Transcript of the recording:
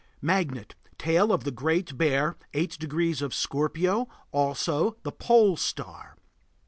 Magnet. Tail of the Great Bear 8° of Scorpio; also the Pole Star.